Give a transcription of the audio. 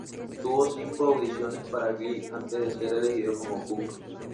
Tuvo cinco audiciones para Glee antes de ser elegido como Puck.